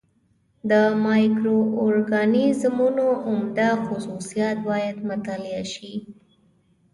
د مایکرو اورګانیزمونو عمده خصوصیات باید مطالعه شي.